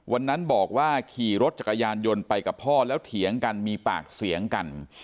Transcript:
วันนั้นบอกว่าขี่รถจักรยานยนต์ไปกับพ่อแล้วเถียงกันมีปากเสียงกัน